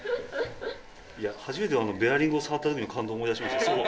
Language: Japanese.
いや初めてベアリングを触った時の感動を思い出しましたよ。